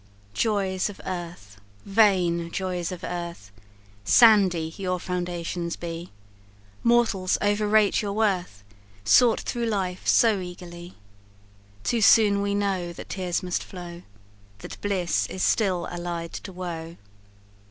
"Joys of earth! vain joys of earth! Sandy your foundations be; Mortals overrate your worth, Sought through life so eagerly. Too soon we know That tears must flow, That bliss is still allied to woe!